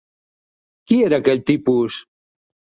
Qui era aquell tipus?